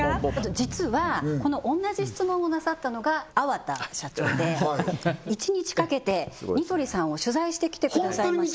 実はこの同じ質問をなさったのが粟田社長で一日かけて似鳥さんを取材してきてくださいました